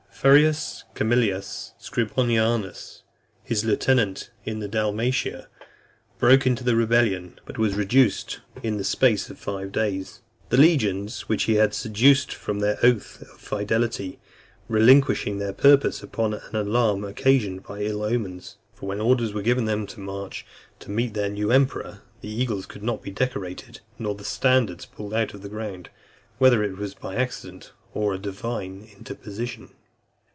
Furius Camillus Scribonianus, his lieutenant in Dalmatia, broke into rebellion, but was reduced in (305) the space of five days; the legions which he had seduced from their oath of fidelity relinquishing their purpose, upon an alarm occasioned by ill omens. For when orders were given them to march, to meet their new emperor, the eagles could not be decorated, nor the standards pulled out of the ground, whether it was by accident, or a divine interposition.